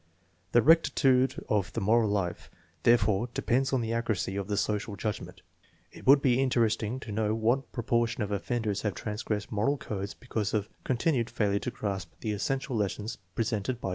The rectitude of the moral life, therefore, depends on the accuracy of the social judgment. It would be interesting to know what propor tion of offenders have transgressed moral codes because of continued failure to grasp the essential lessons presented by human situations.